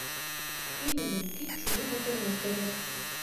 Нимә мөмкин, шуны татырға кәрәк.